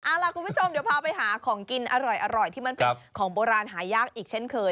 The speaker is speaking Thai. เอาล่ะคุณผู้ชมเดี๋ยวพาไปหาของกินอร่อยที่มันเป็นของโบราณหายากอีกเช่นเคย